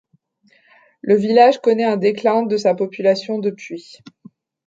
Le village connait un déclin de sa population depuis.